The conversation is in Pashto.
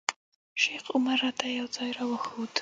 شیخ عمر راته یو ځای راوښود.